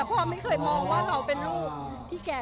สมมุต์ว่าสมมุต์ว่า